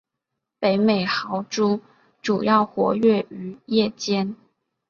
北美豪猪主要活跃于夜间。